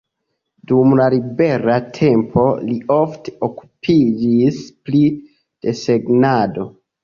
Dum la libera tempo li ofte okupiĝis pri desegnado.